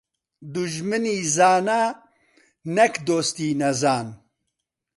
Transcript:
دوژمنی زانا، نەک دۆستی نەزان.